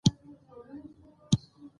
او ډکه له لطافت وه.